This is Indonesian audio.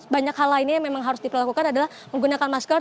banyak hal lainnya yang memang harus diperlakukan adalah menggunakan masker